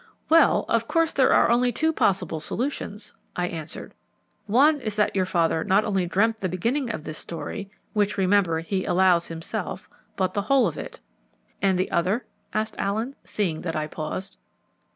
"Well, of course there are only two possible solutions," I answered. "One is that your father not only dreamt the beginning of this story which, remember, he allows himself but the whole of it." "And the other?" asked Allen, seeing that I paused.